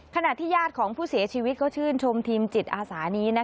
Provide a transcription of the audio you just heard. ขณะที่ญาติของผู้เสียชีวิตก็ชื่นชมทีมจิตอาสานี้